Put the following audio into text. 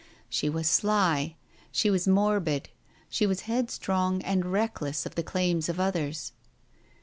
She was sly, she was morbid, she was headstrong and reckless of the claims of others.